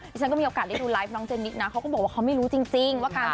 ที่ต้องมาเจอดราม่าจากงานแต่งของตัวเองนะคะ